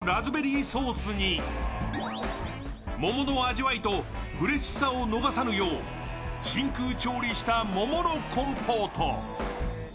程良い酸味のラズベリーソースに桃の味わいとフレッシュを逃さぬよう、真空調理した桃のコンポート。